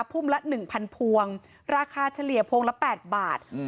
พุ่มละหนึ่งพันพวงราคาเฉลี่ยพวงละแปดบาทอืม